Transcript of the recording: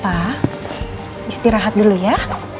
papa istirahat dulu ya